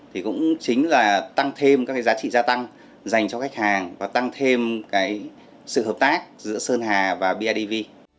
thì cũng chính là tăng thêm các cái giá trị gia tăng dành cho khách hàng và tăng thêm cái sự hợp tác giữa sơn hà và bidv